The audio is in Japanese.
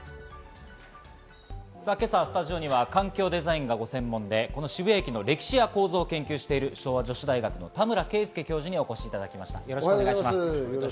今朝はスタジオには環境デザインがご専門で、この渋谷駅の歴史や構造を研究している昭和女子大学の田村圭介教授にお越しいただきました。